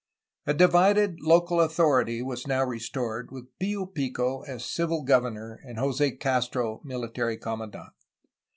A divided local authority was now restored, with Pfo Pico as civil governor and Jos6 Castro military commandant.